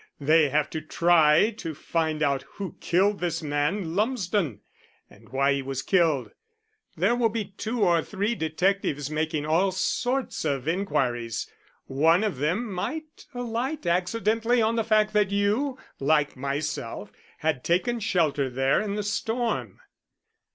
"They have to try to find out who killed this man Lumsden and why he was killed. There will be two or three detectives making all sorts of inquiries. One of them might alight accidentally on the fact that you, like myself, had taken shelter there in the storm."